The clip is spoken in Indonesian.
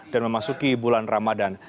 dan memasuki bulan ramadan